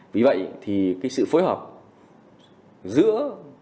vì vậy thì sự phối hợp giữa